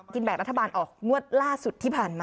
แบกรัฐบาลออกงวดล่าสุดที่ผ่านมา